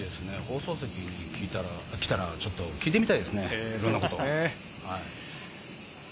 放送席に来たらちょっと聞いてみたいですね、いろんなことを。